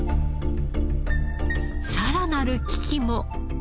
さらなる危機も。